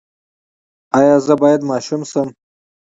ایا زه باید ماشوم شم؟